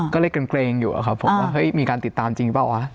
ก็เลยเกรงอยู่อะครับผมว่าเฮ้ยมีการติดตามจริงเปล่าวะ